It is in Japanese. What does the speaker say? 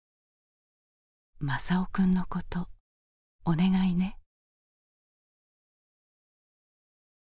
「政男くんのことお願いね」。